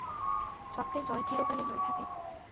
সত্যের জয় চিরকালই হয়ে থাকে।